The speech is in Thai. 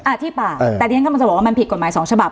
อ่าที่ป่าเออแต่ดิฉันก็มันจะบอกว่ามันผิดกฎหมายสองฉบับ